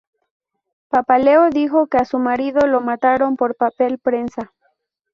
Papaleo dijo que a su marido lo mataron por Papel Prensa.